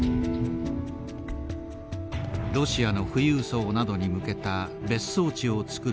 ロシアの富裕層などに向けた別荘地を造る計画でした。